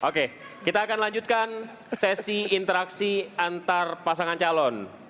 oke kita akan lanjutkan sesi interaksi antar pasangan calon